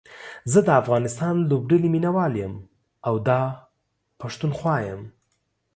زه دا افغانستان لوبډلې ميناوال يم او دا پښتونخوا يم